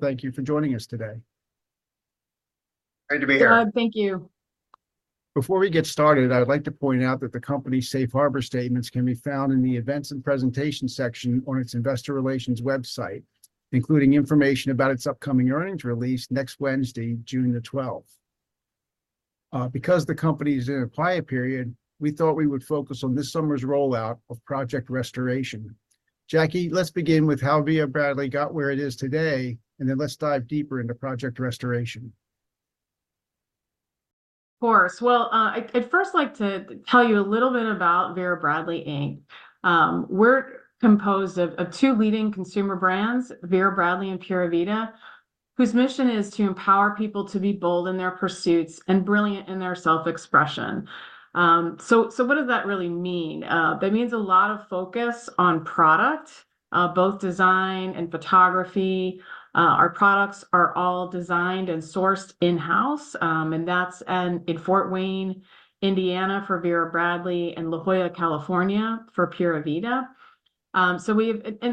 Thank you for joining us today. Great to be here. Glad. Thank you. Before we get started, I would like to point out that the company's safe harbor statements can be found in the Events and Presentation section on its investor relations website, including information about its upcoming earnings release next Wednesday, June 12th. Because the company's in a quiet period, we thought we would focus on this summer's rollout of Project Restoration. Jackie, let's begin with how Vera Bradley got where it is today, and then let's dive deeper into Project Restoration. Of course. Well, I'd first like to tell you a little bit about Vera Bradley, Inc. We're composed of two leading consumer brands, Vera Bradley and Pura Vida, whose mission is to empower people to be bold in their pursuits and brilliant in their self-expression. So what does that really mean? That means a lot of focus on product, both design and photography. Our products are all designed and sourced in-house, and that's in Fort Wayne, Indiana, for Vera Bradley, and La Jolla, California, for Pura Vida. And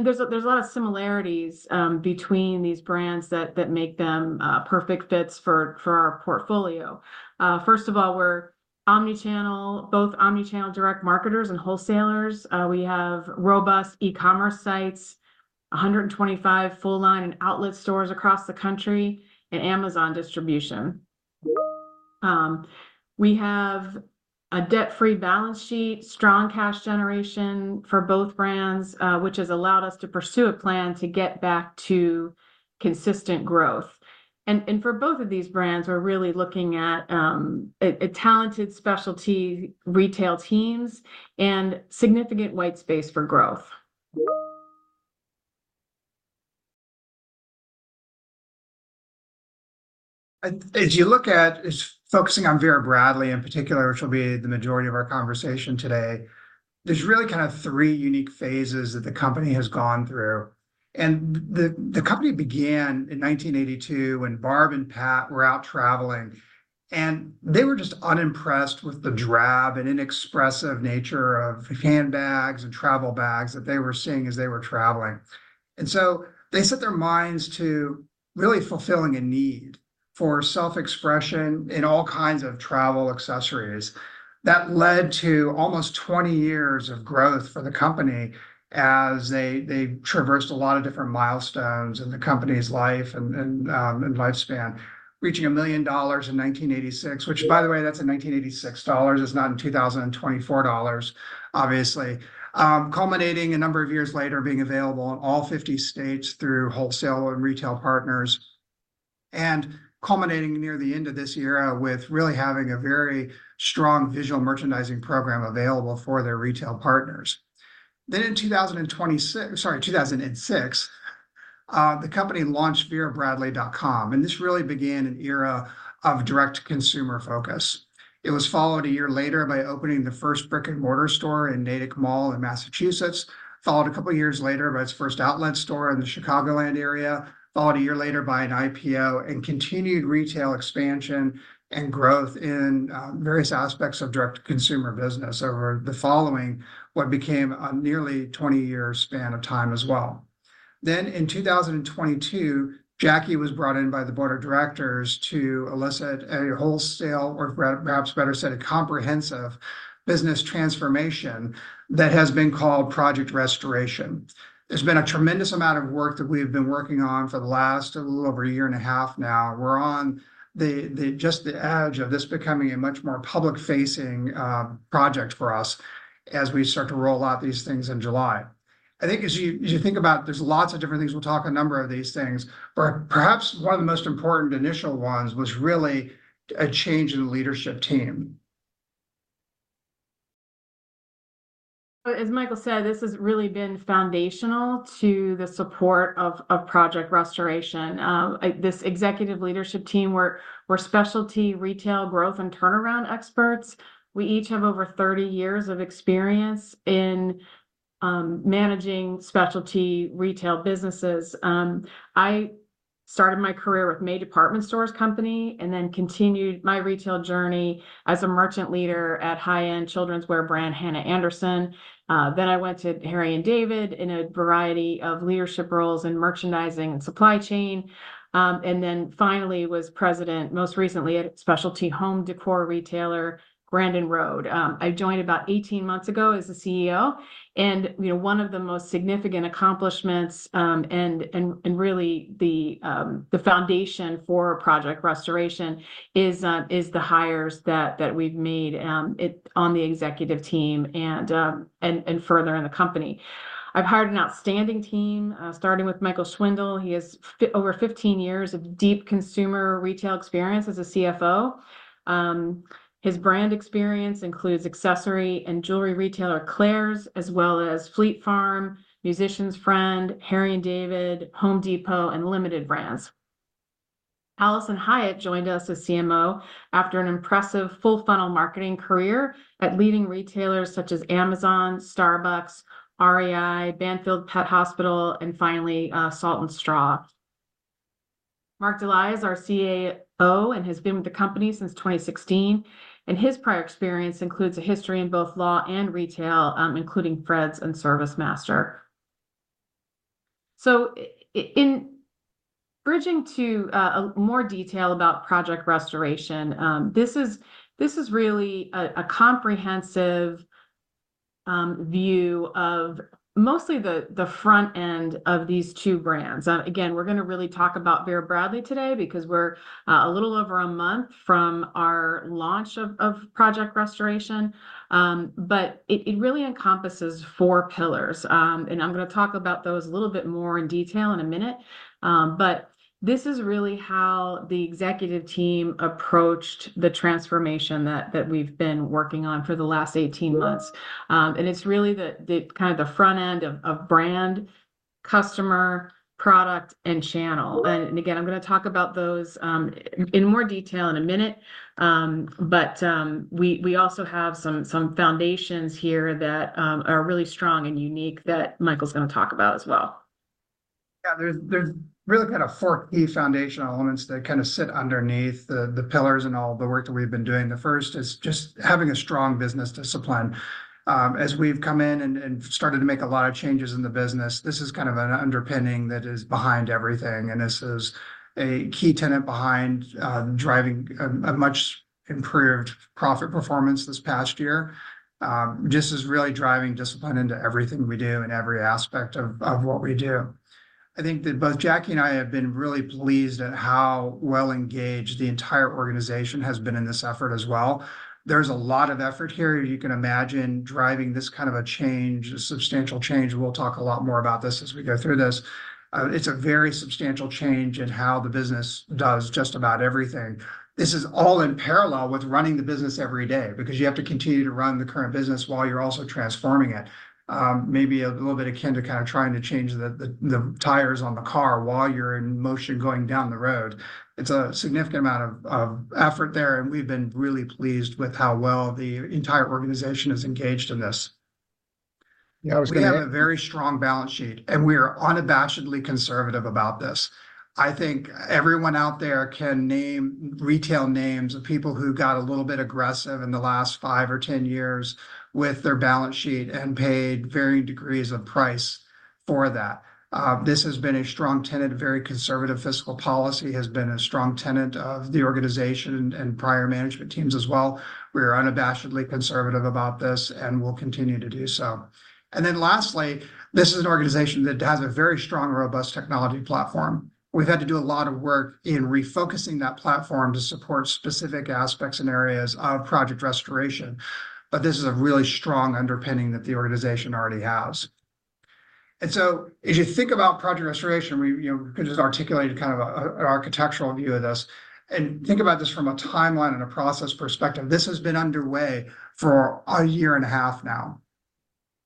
there's a lot of similarities between these brands that make them perfect fits for our portfolio. First of all, we're omni-channel, both omni-channel direct marketers and wholesalers. We have robust e-commerce sites, 125 full-line and outlet stores across the country, and Amazon distribution. We have a debt-free balance sheet, strong cash generation for both brands, which has allowed us to pursue a plan to get back to consistent growth. And for both of these brands, we're really looking at a talented specialty retail teams and significant white space for growth. As you look at... Just focusing on Vera Bradley in particular, which will be the majority of our conversation today, there's really kind of three unique phases that the company has gone through. And the company began in 1982 when Barb and Pat were out traveling, and they were just unimpressed with the drab and inexpressive nature of handbags and travel bags that they were seeing as they were traveling. And so they set their minds to really fulfilling a need for self-expression in all kinds of travel accessories. That led to almost 20 years of growth for the company as they traversed a lot of different milestones in the company's life and lifespan, reaching $1 million in 1986, which, by the way, that's in 1986 dollars. It's not in 2024 dollars, obviously. Culminating a number of years later, being available in all 50 states through wholesale and retail partners, and culminating near the end of this era with really having a very strong visual merchandising program available for their retail partners. Then, in 2026... Sorry, 2006, the company launched verabradley.com, and this really began an era of direct-to-consumer focus. It was followed a year later by opening the first brick-and-mortar store in Natick Mall in Massachusetts, followed a couple of years later by its first outlet store in the Chicagoland area, followed a year later by an IPO and continued retail expansion and growth in, various aspects of direct-to-consumer business over the following, what became a nearly 20-year span of time as well. Then, in 2022, Jackie was brought in by the board of directors to elicit a wholesale, or perhaps better said, a comprehensive business transformation that has been called Project Restoration. There's been a tremendous amount of work that we have been working on for the last a little over a year and a half now. We're on just the edge of this becoming a much more public-facing project for us as we start to roll out these things in July. I think as you think about, there's lots of different things. We'll talk a number of these things. But perhaps one of the most important initial ones was really a change in the leadership team. As Michael said, this has really been foundational to the support of, of Project Restoration. Like, this executive leadership team, we're specialty retail growth and turnaround experts. We each have over 30 years of experience in, managing specialty retail businesses. I started my career with May Department Stores Company and then continued my retail journey as a merchant leader at high-end childrenswear brand, Hanna Andersson. Then I went to Harry & David in a variety of leadership roles in merchandising and supply chain. And then finally was president, most recently, at specialty home decor retailer, Grandin Road. I joined about 18 months ago as the CEO, and, you know, one of the most significant accomplishments, and really the foundation for Project Restoration is the hires that we've made on the executive team and further in the company. I've hired an outstanding team starting with Michael Schwindle. He has over 15 years of deep consumer retail experience as a CFO. His brand experience includes accessory and jewelry retailer Claire's, as well as Fleet Farm, Musician's Friend, Harry & David, Home Depot, and Limited Brands. Alison Hiatt joined us as CMO after an impressive full-funnel marketing career at leading retailers such as Amazon, Starbucks, REI, Banfield Pet Hospital, and finally Salt & Straw. Mark Dely is our CAO, and has been with the company since 2016, and his prior experience includes a history in both law and retail, including Fred's and ServiceMaster. So in bridging to a more detail about Project Restoration, this is really a comprehensive view of mostly the front end of these two brands. Again, we're gonna really talk about Vera Bradley today because we're a little over a month from our launch of Project Restoration. But it really encompasses four pillars. And I'm gonna talk about those a little bit more in detail in a minute. But this is really how the executive team approached the transformation that we've been working on for the last 18 months. It's really the kind of front end of brand, customer, product, and channel. And again, I'm gonna talk about those in more detail in a minute. But we also have some foundations here that are really strong and unique that Michael's gonna talk about as well. Yeah, there's really kind of four key foundational elements that kind of sit underneath the pillars and all the work that we've been doing. The first is just having a strong business discipline. As we've come in and started to make a lot of changes in the business, this is kind of an underpinning that is behind everything, and this is a key tenet behind driving a much improved profit performance this past year. Just is really driving discipline into everything we do and every aspect of what we do. I think that both Jackie and I have been really pleased at how well engaged the entire organization has been in this effort as well. There's a lot of effort here. You can imagine driving this kind of a change, a substantial change. We'll talk a lot more about this as we go through this. It's a very substantial change in how the business does just about everything. This is all in parallel with running the business every day, because you have to continue to run the current business while you're also transforming it. Maybe a little bit akin to kind of trying to change the tires on the car while you're in motion going down the road. It's a significant amount of effort there, and we've been really pleased with how well the entire organization is engaged in this. We have a very strong balance sheet, and we are unabashedly conservative about this. I think everyone out there can name retail names of people who got a little bit aggressive in the last 5 or 10 years with their balance sheet and paid varying degrees of price for that. This has been a strong tenet, a very conservative fiscal policy has been a strong tenet of the organization and prior management teams as well. We're unabashedly conservative about this, and will continue to do so. And then lastly, this is an organization that has a very strong, robust technology platform. We've had to do a lot of work in refocusing that platform to support specific aspects and areas of Project Restoration, but this is a really strong underpinning that the organization already has. And so as you think about Project Restoration, you know, we could just articulate kind of an architectural view of this. Think about this from a timeline and a process perspective; this has been underway for a year and a half now.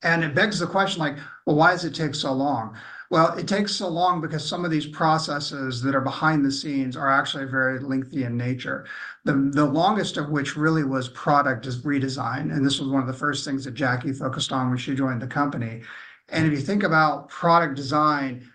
It begs the question like, "Well, why does it take so long?" Well, it takes so long because some of these processes that are behind the scenes are actually very lengthy in nature; the longest of which really was product redesign, and this was one of the first things that Jackie focused on when she joined the company. If you think about product design,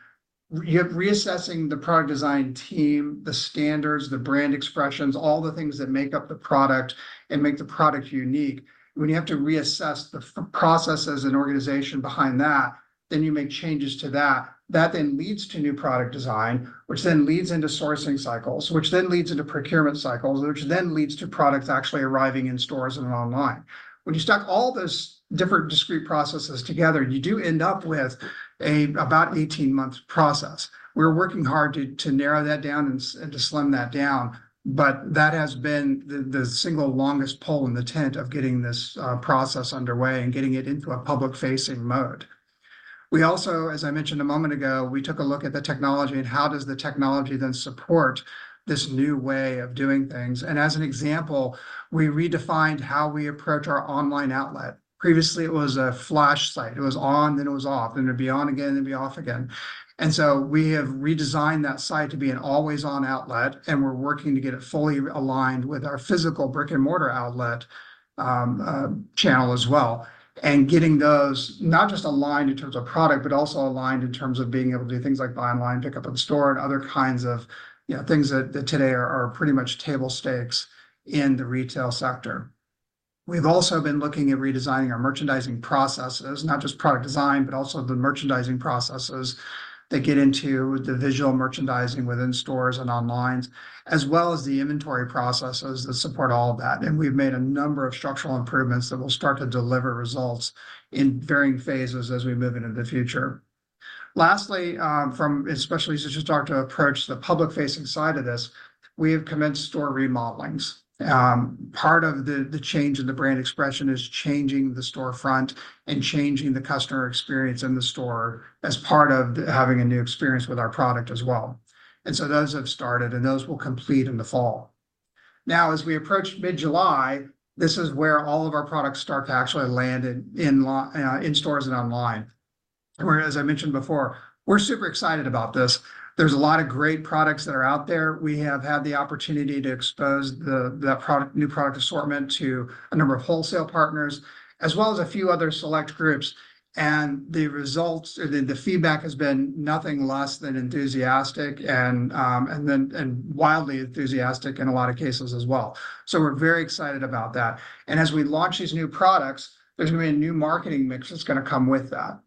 you're reassessing the product design team, the standards, the brand expressions, all the things that make up the product and make the product unique. When you have to reassess the processes and organization behind that, then you make changes to that. That then leads to new product design, which then leads into sourcing cycles, which then leads into procurement cycles, which then leads to products actually arriving in stores and online. When you stack all those different discrete processes together, you do end up with about 18 months process. We're working hard to narrow that down and to slim that down, but that has been the single longest pole in the tent of getting this process underway and getting it into a public-facing mode. We also, as I mentioned a moment ago, we took a look at the technology, and how does the technology then support this new way of doing things? And as an example, we redefined how we approach our online outlet. Previously, it was a flash site. It was on, then it was off, then it'd be on again, then be off again. And so we have redesigned that site to be an always-on outlet, and we're working to get it fully aligned with our physical brick-and-mortar outlet channel as well. And getting those, not just aligned in terms of product, but also aligned in terms of being able to do things like buy online, pickup in store, and other kinds of, you know, things that today are pretty much table stakes in the retail sector. We've also been looking at redesigning our merchandising processes, not just product design, but also the merchandising processes that get into the visual merchandising within stores and online, as well as the inventory processes that support all of that. And we've made a number of structural improvements that will start to deliver results in varying phases as we move into the future. Lastly, especially as you start to approach the public-facing side of this, we have commenced store remodelings. Part of the change in the brand expression is changing the storefront and changing the customer experience in the store as part of having a new experience with our product as well. And so those have started, and those will complete in the fall. Now, as we approach mid-July, this is where all of our products start to actually land in stores and online. Where, as I mentioned before, we're super excited about this. There's a lot of great products that are out there. We have had the opportunity to expose the new product assortment to a number of wholesale partners, as well as a few other select groups, and the results, or the feedback has been nothing less than enthusiastic and wildly enthusiastic in a lot of cases as well. So we're very excited about that, and as we launch these new products, there's gonna be a new marketing mix that's gonna come with that.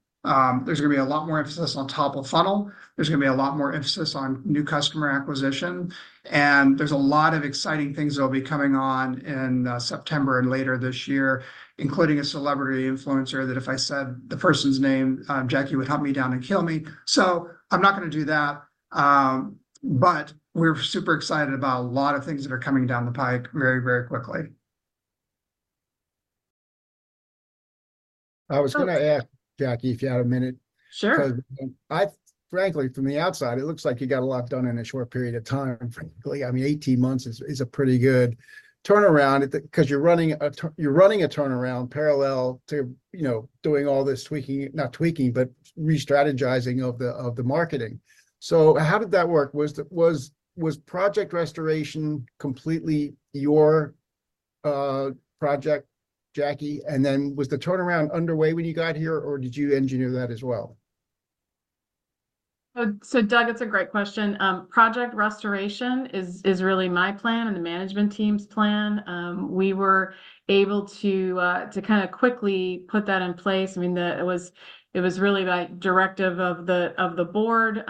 There's gonna be a lot more emphasis on top-of-funnel, there's gonna be a lot more emphasis on new customer acquisition, and there's a lot of exciting things that will be coming on in September and later this year, including a celebrity influencer, that if I said the person's name, Jackie would hunt me down and kill me. So I'm not gonna do that. But we're super excited about a lot of things that are coming down the pipe very, very quickly. I was gonna ask, Jackie, if you had a minute. Sure. Because frankly, from the outside, it looks like you got a lot done in a short period of time, frankly. I mean, 18 months is, is a pretty good turnaround, 'cause you're running a turnaround parallel to, you know, doing all this tweaking... Not tweaking, but re-strategizing of the, of the marketing. So how did that work? Was project restoration completely your project, Jackie? And then was the turnaround underway when you got here, or did you engineer that as well? So, Doug, it's a great question. Project Restoration is really my plan and the management team's plan. We were able to kind of quickly put that in place. I mean, it was really by directive of the board.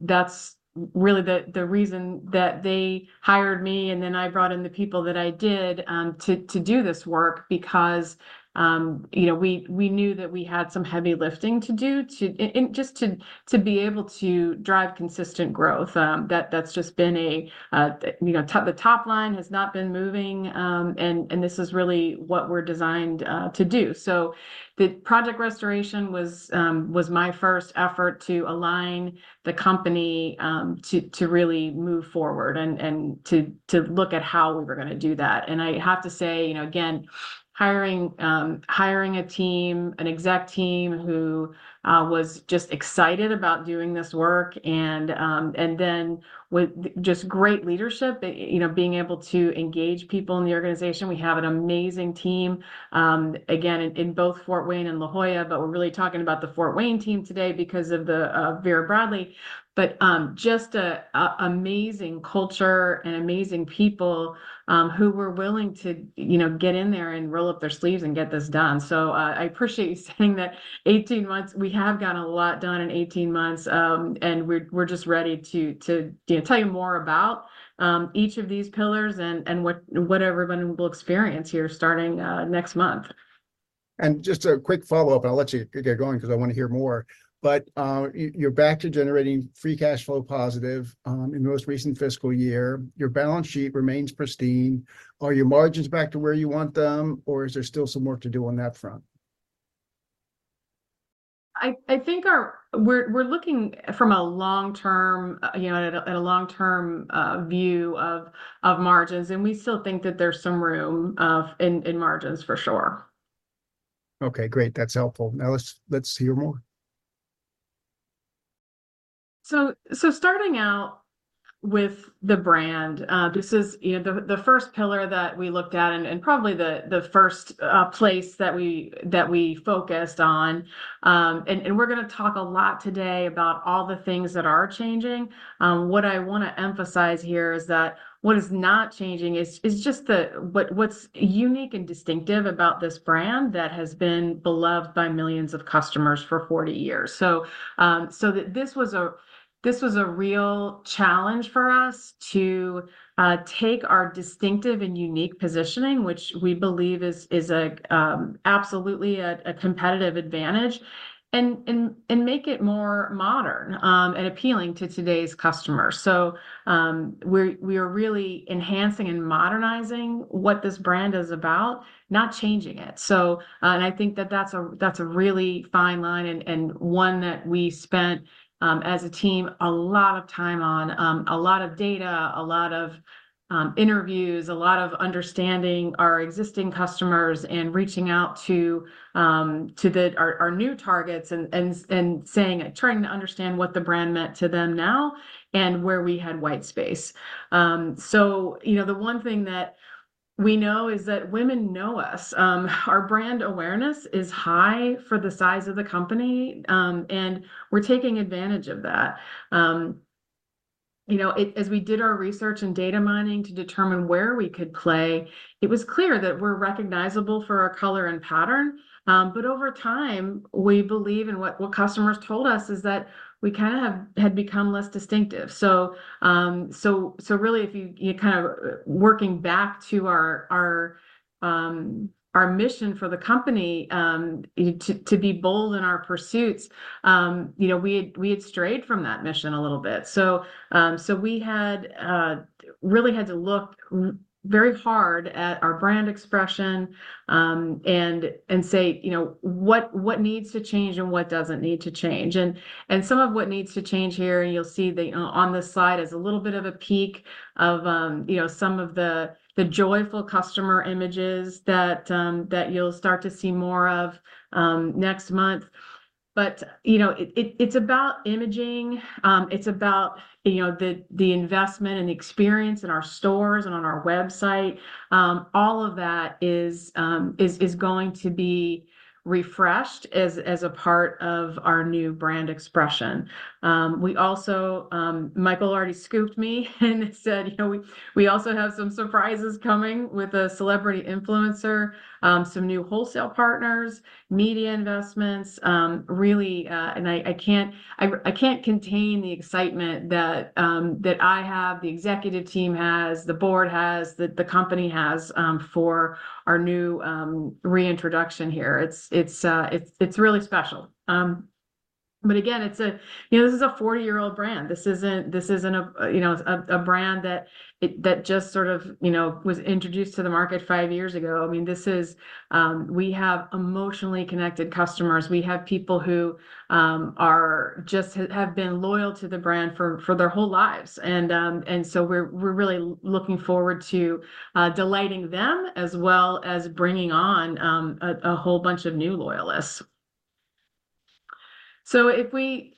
That's really the reason that they hired me, and then I brought in the people that I did to do this work. Because, you know, we knew that we had some heavy lifting to do, and just to be able to drive consistent growth. That's just been, you know, the top line has not been moving, and this is really what we're designed to do. So the Project Restoration was my first effort to align the company to really move forward and to look at how we were gonna do that. And I have to say, you know, again, hiring a team, an exec team, who was just excited about doing this work, and then with just great leadership, you know, being able to engage people in the organization. We have an amazing team, again, in both Fort Wayne and La Jolla, but we're really talking about the Fort Wayne team today because of the Vera Bradley. But just an amazing culture and amazing people who were willing to, you know, get in there and roll up their sleeves and get this done. So I appreciate you saying that. 18 months, we have gotten a lot done in 18 months. We're just ready to, you know, tell you more about each of these pillars and what everyone will experience here, starting next month. And just a quick follow-up, and I'll let you get going, 'cause I wanna hear more. But, you're back to generating free cash flow positive, in the most recent fiscal year. Your balance sheet remains pristine. Are your margins back to where you want them, or is there still some work to do on that front? I think our... We're looking from a long-term, you know, at a long-term view of margins, and we still think that there's some room in margins, for sure. Okay, great. That's helpful. Now, let's hear more. Starting out with the brand, this is, you know, the first pillar that we looked at and probably the first place that we focused on. And we're gonna talk a lot today about all the things that are changing. What I wanna emphasize here is that what is not changing is just what's unique and distinctive about this brand that has been beloved by millions of customers for 40 years. So, this was a real challenge for us to take our distinctive and unique positioning, which we believe is absolutely a competitive advantage, and make it more modern and appealing to today's customers. So, we are really enhancing and modernizing what this brand is about, not changing it. So, and I think that's a really fine line, and one that we spent, as a team, a lot of time on, a lot of data, a lot of interviews, a lot of understanding our existing customers, and reaching out to our new targets, and saying... Trying to understand what the brand meant to them now and where we had white space. So, you know, the one thing that we know is that women know us. Our brand awareness is high for the size of the company, and we're taking advantage of that. You know, as we did our research and data mining to determine where we could play, it was clear that we're recognizable for our color and pattern, but over time, we believe, and what customers told us, is that we kind of had become less distinctive. So really, if you kind of working back to our mission for the company, you know, to be bold in our pursuits, you know, we had strayed from that mission a little bit. So, so we had really had to look very hard at our brand expression, and, and say, "You know, what, what needs to change and what doesn't need to change?" And, and some of what needs to change here, and you'll see the, on this slide, is a little bit of a peek of, you know, some of the, the joyful customer images that, that you'll start to see more of, next month. But, you know, it, it's about imagery, it's about, you know, the, the investment and experience in our stores and on our website. All of that is, is, is going to be refreshed as, as a part of our new brand expression. We also, Michael already scooped me and said, you know, we also have some surprises coming with a celebrity influencer, some new wholesale partners, media investments. Really, and I can't contain the excitement that I have, the executive team has, the board has, the company has, for our new reintroduction here. It's really special. But again, you know, this is a 40-year-old brand. This isn't, you know, a brand that just sort of, you know, was introduced to the market five years ago. I mean, this is... We have emotionally connected customers. We have people who are just have been loyal to the brand for their whole lives, and so we're really looking forward to delighting them, as well as bringing on a whole bunch of new loyalists. So if we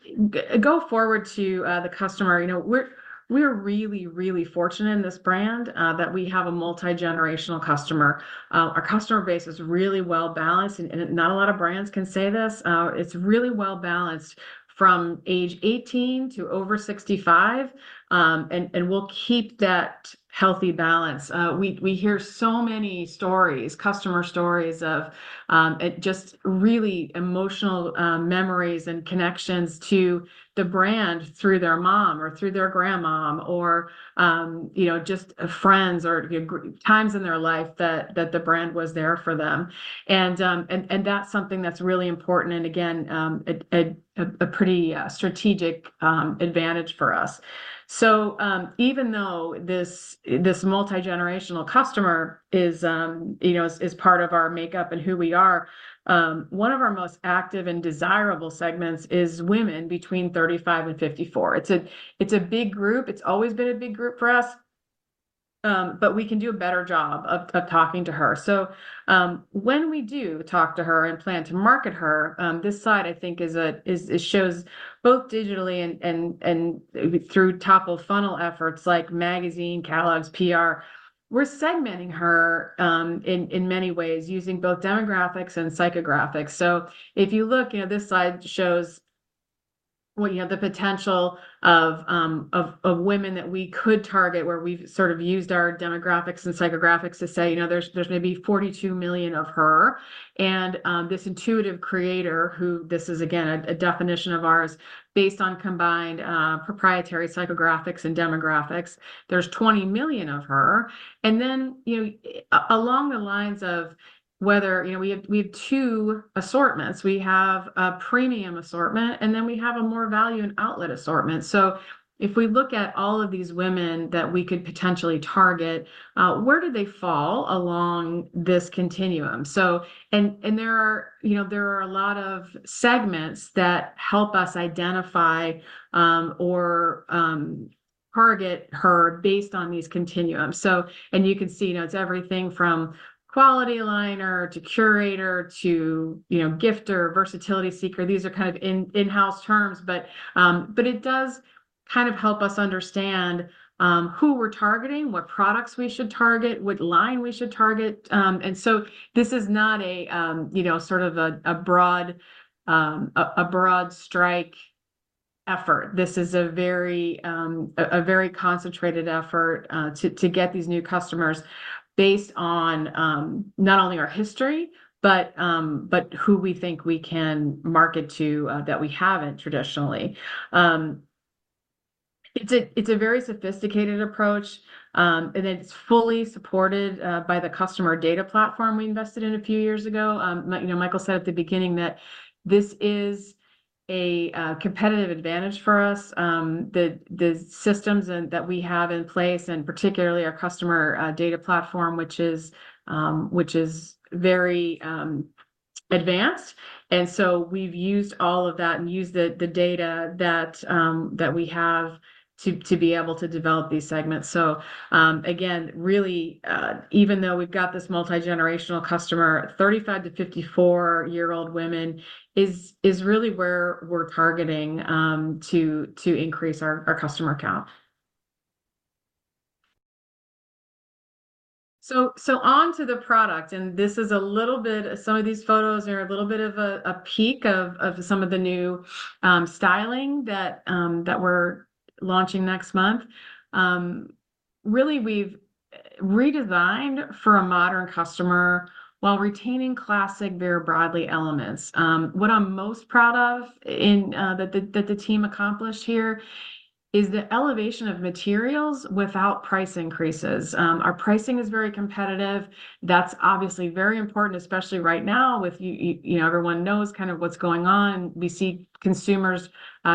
go forward to the customer, you know, we're really fortunate in this brand that we have a multigenerational customer. Our customer base is really well-balanced, and not a lot of brands can say this. It's really well-balanced from age 18 to over 65, and we'll keep that healthy balance. We hear so many stories, customer stories, of it just really emotional memories and connections to the brand through their mom, or through their grandmom, or, you know, just, friends or, you know, great times in their life that the brand was there for them. And that's something that's really important and, again, a pretty strategic advantage for us. So, even though this multigenerational customer is, you know, is part of our makeup and who we are, one of our most active and desirable segments is women between 35 and 54. It's a big group. It's always been a big group for us, but we can do a better job of talking to her. So, when we do talk to her and plan to market her, this slide, I think, is - it shows both digitally and through top-of-funnel efforts like magazine, catalogs, PR, we're segmenting her in many ways, using both demographics and psychographics. So if you look, you know, this slide shows what, you know, the potential of women that we could target, where we've sort of used our demographics and psychographics to say, you know, there's maybe 42 million of her. And this intuitive creator, who, this is, again, a definition of ours based on combined proprietary psychographics and demographics, there's 20 million of her. And then, you know, along the lines of whether... You know, we have two assortments. We have a premium assortment, and then we have a more value and outlet assortment. So if we look at all of these women that we could potentially target, where do they fall along this continuum? There are, you know, a lot of segments that help us identify or target her based on these continuums. So, you can see, you know, it's everything from quality liner to curator to, you know, gifter, versatility seeker. These are kind of in-house terms, but it does kind of help us understand who we're targeting, what products we should target, what line we should target. This is not a, you know, sort of a broad-stroke effort. This is a very concentrated effort to get these new customers based on not only our history but who we think we can market to that we haven't traditionally. It's a very sophisticated approach, and it's fully supported by the customer data platform we invested in a few years ago. You know, Michael said at the beginning that this is a competitive advantage for us. The systems and that we have in place, and particularly our customer data platform, which is very advanced, and so we've used all of that and used the data that we have to be able to develop these segments. So, again, really, even though we've got this multigenerational customer, 35-54-year-old women is really where we're targeting to increase our customer count. So onto the product, and this is a little bit. Some of these photos are a little bit of a peek of some of the new styling that we're launching next month. Really, we've redesigned for a modern customer while retaining classic Vera Bradley elements. What I'm most proud of is that the team accomplished here is the elevation of materials without price increases. Our pricing is very competitive. That's obviously very important, especially right now with you know, everyone knows kind of what's going on. We see consumers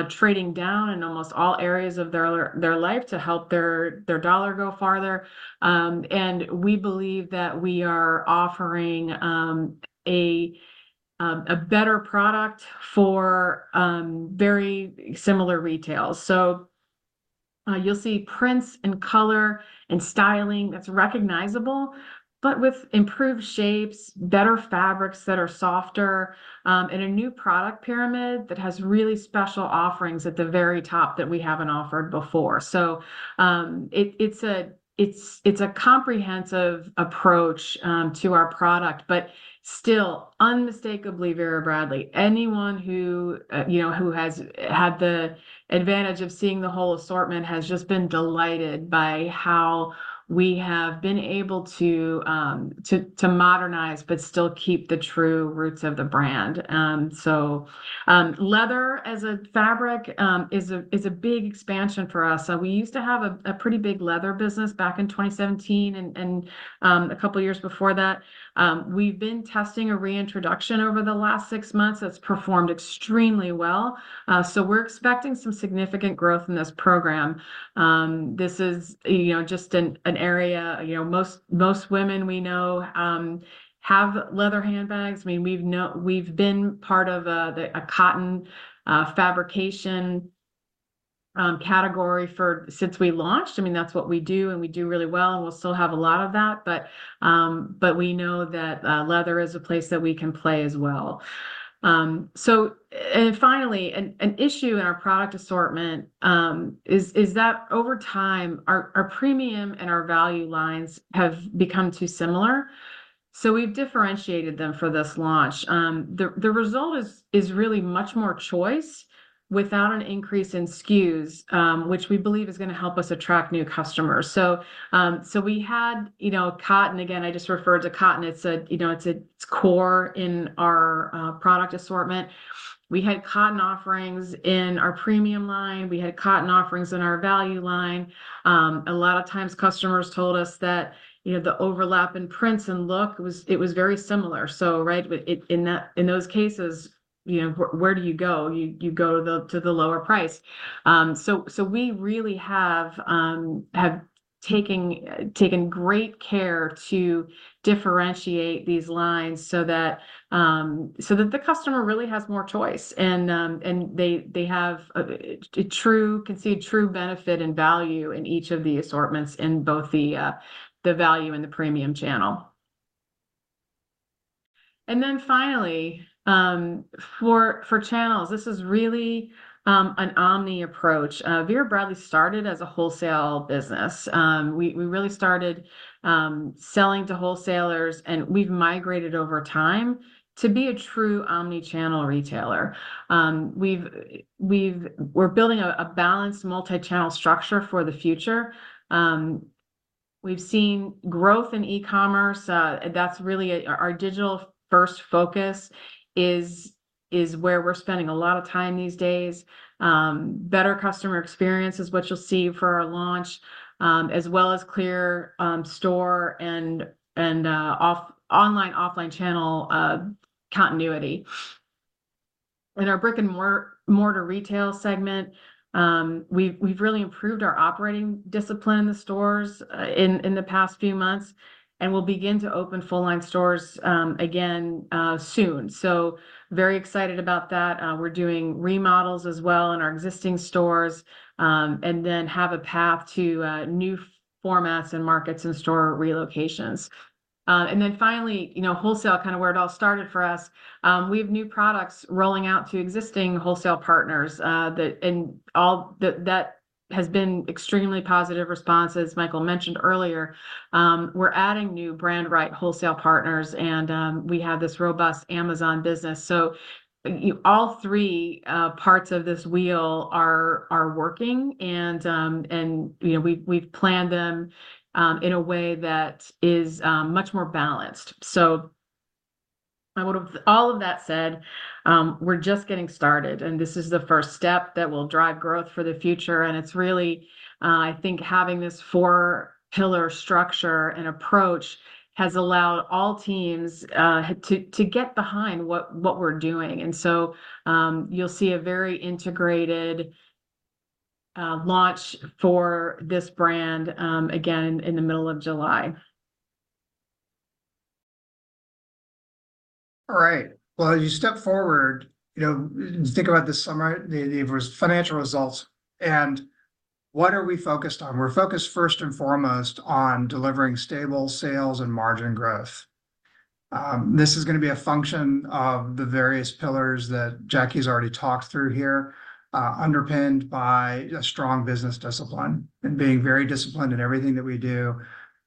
trading down in almost all areas of their life to help their dollar go farther. And we believe that we are offering a better product for very similar retail. You'll see prints and color and styling that's recognizable, but with improved shapes, better fabrics that are softer, and a new product pyramid that has really special offerings at the very top that we haven't offered before. It's a comprehensive approach to our product, but still unmistakably Vera Bradley. Anyone who you know who has had the advantage of seeing the whole assortment has just been delighted by how we have been able to modernize but still keep the true roots of the brand. So, leather as a fabric is a big expansion for us. So we used to have a pretty big leather business back in 2017 and a couple of years before that. We've been testing a reintroduction over the last six months that's performed extremely well. So we're expecting some significant growth in this program. This is, you know, just an area—you know, most women we know have leather handbags. I mean, we've known—we've been part of the cotton fabrication category since we launched. I mean, that's what we do, and we do really well, and we'll still have a lot of that, but we know that leather is a place that we can play as well. So... And finally, an issue in our product assortment is that over time, our premium and our value lines have become too similar, so we've differentiated them for this launch. The result is really much more choice without an increase in SKUs, which we believe is gonna help us attract new customers. So, we had, you know, cotton. Again, I just referred to cotton. It's a, you know, it's core in our product assortment. We had cotton offerings in our premium line. We had cotton offerings in our value line. A lot of times, customers told us that, you know, the overlap in prints and look was... it was very similar. So, right? But in that- in those cases, you know, where do you go? You go to the lower price. So we really have taken great care to differentiate these lines so that the customer really has more choice, and they can see a true benefit and value in each of the assortments in both the value and the premium channel. And then finally, for channels, this is really an omni approach. Vera Bradley started as a wholesale business. We really started selling to wholesalers, and we've migrated over time to be a true omni-channel retailer. We're building a balanced multi-channel structure for the future. We've seen growth in e-commerce. That's really our digital-first focus is where we're spending a lot of time these days. Better customer experience is what you'll see for our launch, as well as clear store and online, offline channel continuity. In our brick-and-mortar retail segment, we've really improved our operating discipline in the stores in the past few months, and we'll begin to open full-line stores again soon. So very excited about that. We're doing remodels as well in our existing stores, and then have a path to new formats and markets and store relocations. And then finally, you know, wholesale, kind of where it all started for us, we have new products rolling out to existing wholesale partners that has been extremely positive response, as Michael mentioned earlier. We're adding new brand, right, wholesale partners, and we have this robust Amazon business. So, all three parts of this wheel are working, and, you know, we've planned them in a way that is much more balanced. All of that said, we're just getting started, and this is the first step that will drive growth for the future, and it's really, I think having this four-pillar structure and approach has allowed all teams to get behind what we're doing, and so, you'll see a very integrated launch for this brand, again in the middle of July. All right. Well, as you step forward, you know, you think about this summary, the financial results and what are we focused on? We're focused first and foremost on delivering stable sales and margin growth. This is gonna be a function of the various pillars that Jackie's already talked through here, underpinned by a strong business discipline and being very disciplined in everything that we do.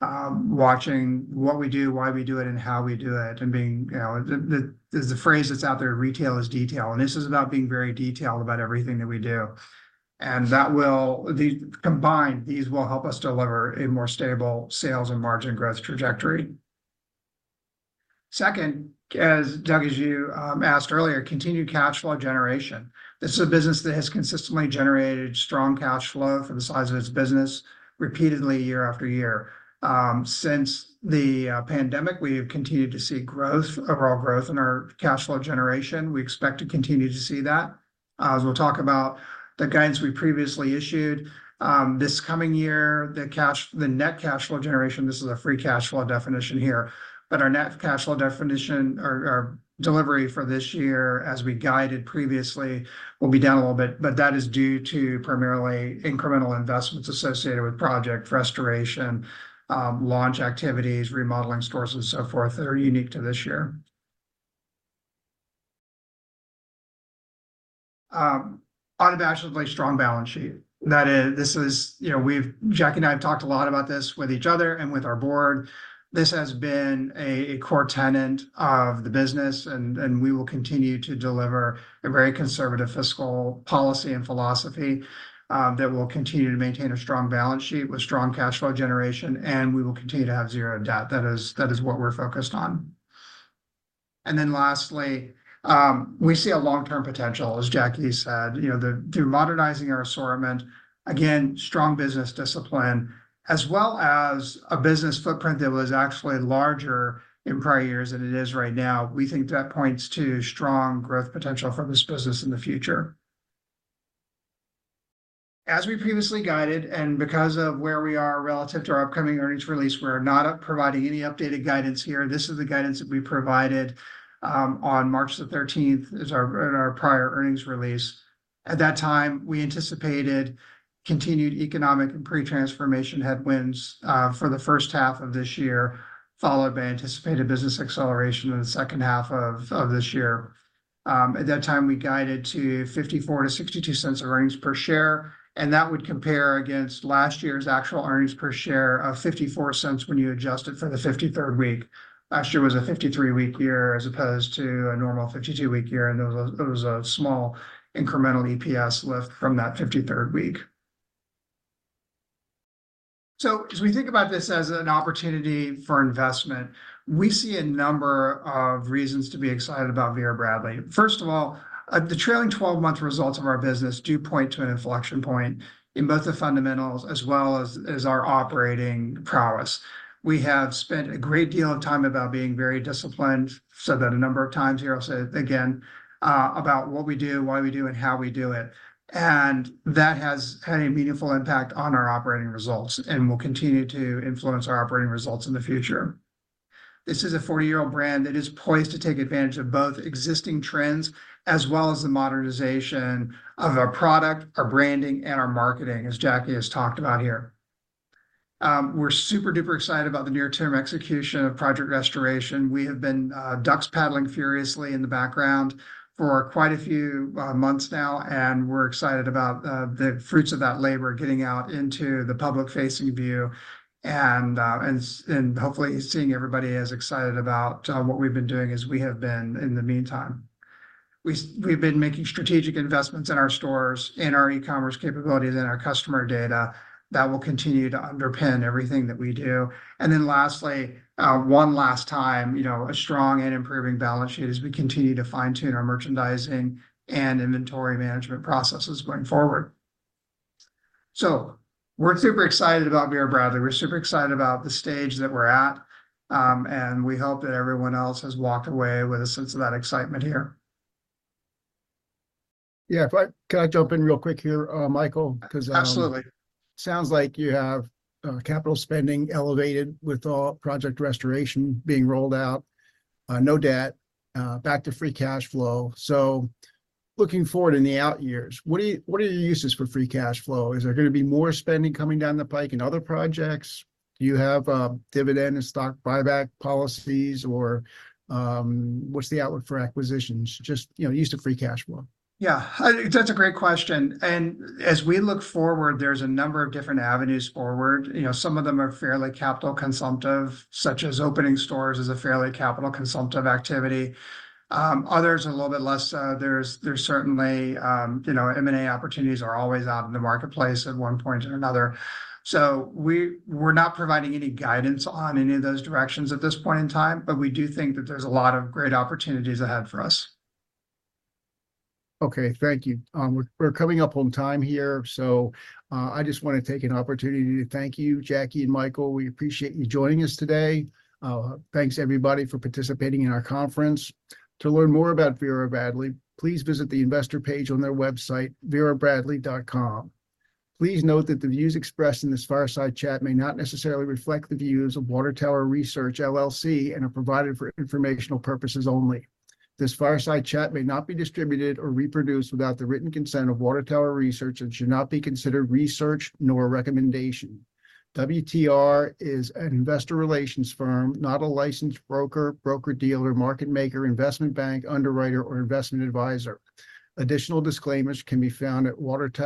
Watching what we do, why we do it, and how we do it, and being, you know. The there's a phrase that's out there, "Retail is detail," and this is about being very detailed about everything that we do. And that will- the combined, these will help us deliver a more stable sales and margin growth trajectory. Second, as Doug, as you asked earlier, continued cash flow generation. This is a business that has consistently generated strong cash flow for the size of its business repeatedly year after year. Since the pandemic, we have continued to see growth, overall growth in our cash flow generation. We expect to continue to see that, as we'll talk about the guidance we previously issued, this coming year, the net cash flow generation, this is a free cash flow definition here, but our net cash flow definition, our delivery for this year, as we guided previously will be down a little bit, but that is due to primarily incremental investments associated with Project Restoration, launch activities, remodeling stores, and so forth, that are unique to this year. Unabashedly strong balance sheet. That is... This is, you know, Jackie and I have talked a lot about this with each other and with our board. This has been a core tenet of the business, and we will continue to deliver a very conservative fiscal policy and philosophy that will continue to maintain a strong balance sheet with strong cash flow generation, and we will continue to have 0 debt. That is what we're focused on. And then lastly, we see a long-term potential, as Jackie said. You know, through modernizing our assortment, again, strong business discipline, as well as a business footprint that was actually larger in prior years than it is right now. We think that points to strong growth potential for this business in the future. As we previously guided, and because of where we are relative to our upcoming earnings release, we're not providing any updated guidance here. This is the guidance that we provided on March the 13th in our prior earnings release. At that time, we anticipated continued economic and pre-transformation headwinds for the first half of this year, followed by anticipated business acceleration in the second half of this year. At that time, we guided to $0.54-$0.62 of earnings per share, and that would compare against last year's actual earnings per share of $0.54 when you adjust it for the 53rd week. Last year was a 53-week year, as opposed to a normal 52-week year, and there was a small incremental EPS lift from that 53rd week. So as we think about this as an opportunity for investment, we see a number of reasons to be excited about Vera Bradley. First of all, the trailing 12-month results of our business do point to an inflection point in both the fundamentals as well as, as our operating prowess. We have spent a great deal of time about being very disciplined, said that a number of times here, I'll say it again, about what we do, why we do and how we do it. And that has had a meaningful impact on our operating results and will continue to influence our operating results in the future. This is a 40-year-old brand that is poised to take advantage of both existing trends, as well as the modernization of our product, our branding, and our marketing, as Jackie has talked about here. We're super-duper excited about the near-term execution of Project Restoration. We have been ducks paddling furiously in the background for quite a few months now, and we're excited about the fruits of that labor getting out into the public-facing view and hopefully seeing everybody as excited about what we've been doing as we have been in the meantime. We've been making strategic investments in our stores, in our e-commerce capabilities, and our customer data that will continue to underpin everything that we do. And then lastly, one last time, you know, a strong and improving balance sheet as we continue to fine-tune our merchandising and inventory management processes going forward. So we're super excited about Vera Bradley. We're super excited about the stage that we're at, and we hope that everyone else has walked away with a sense of that excitement here. Yeah, can I jump in real quick here, Michael? 'Cause Absolutely. Sounds like you have capital spending elevated with Project Restoration being rolled out, no debt, back to free cash flow. So looking forward in the out years, what are you, what are your uses for free cash flow? Is there gonna be more spending coming down the pike in other projects? Do you have a dividend and stock buyback policies or, what's the outlook for acquisitions, just, you know, use to free cash flow? Yeah, I think that's a great question, and as we look forward, there's a number of different avenues forward. You know, some of them are fairly capital consumptive, such as opening stores is a fairly capital consumptive activity. Others are a little bit less. There's certainly, you know, M&A opportunities are always out in the marketplace at one point or another. So we're not providing any guidance on any of those directions at this point in time, but we do think that there's a lot of great opportunities ahead for us. Okay. Thank you. We're coming up on time here, so I just wanna take an opportunity to thank you, Jackie and Michael. We appreciate you joining us today. Thanks everybody for participating in our conference. To learn more about Vera Bradley, please visit the investor page on their website, verabradley.com. Please note that the views expressed in this fireside chat may not necessarily reflect the views of Water Tower Research, LLC, and are provided for informational purposes only. This fireside chat may not be distributed or reproduced without the written consent of Water Tower Research and should not be considered research nor a recommendation. WTR is an investor relations firm, not a licensed broker, broker-dealer, market maker, investment bank, underwriter, or investment advisor. Additional disclaimers can be found at Water Tower.